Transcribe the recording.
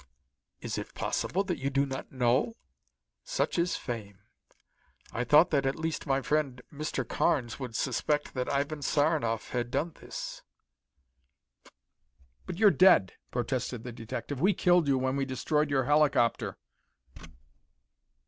"Is it possible that you do not know? Such is fame. I thought that at least my friend Mr. Carnes would suspect that Ivan Saranoff had done this." "But you're dead!" protested the detective. "We killed you when we destroyed your helicopter."